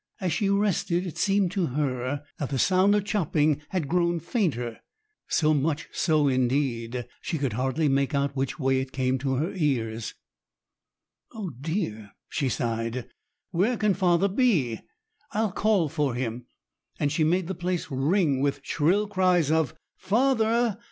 As she rested it seemed to her that the sound of chopping had grown fainter—so much so, indeed, she could hardly make out which way it came to her ears. "Oh dear!" she sighed; "where can father be? I'll call for him." And she made the place ring with shrill cries of "Father!